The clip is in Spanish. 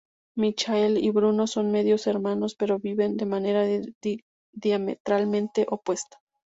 Michael y Bruno son medio hermanos, pero viven de manera diametralmente opuesta.